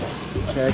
maafkan saya pak ren